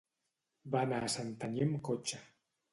Va anar a Santanyí amb cotxe.